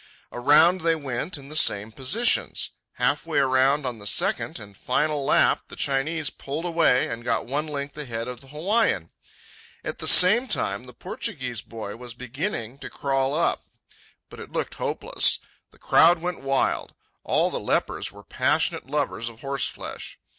Around they went in the same positions. Halfway around on the second and final lap the Chinese pulled away and got one length ahead of the Hawaiian. At the same time the Portuguese boy was beginning to crawl up. But it looked hopeless. The crowd went wild. All the lepers were passionate lovers of horseflesh.